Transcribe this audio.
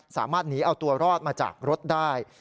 สามารถหนีเอาตัวรอดมาจากรถได้